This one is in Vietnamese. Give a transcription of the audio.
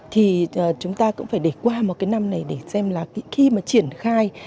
thì chúng ta cũng phải để qua một cái năm này để xem là khi mà triển khai